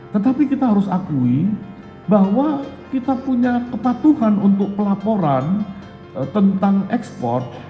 tetapi kita harus akui bahwa kita punya kepatuhan untuk pelaporan tentang ekspor